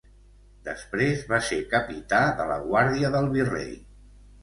Després va ser capità de la guàrdia del virrei.